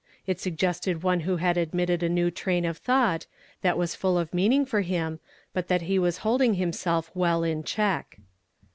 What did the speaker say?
It sug gested one who had admitted a new train of thought, that was full of meaning for him, but that he was liolding himself well in check.